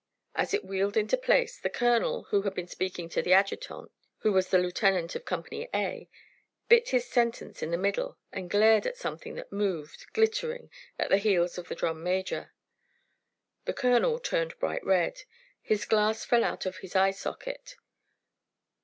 As it wheeled into place, the colonel, who had been speaking to the adjutant, who was the lieutenant of Company A, bit his sentence in the middle, and glared at something that moved, glittering, at the heels of the drum major. The colonel turned bright red. His glass fell out of his eye socket.